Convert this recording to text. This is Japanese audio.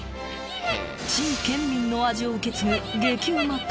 ［陳建民の味を受け継ぐ激うま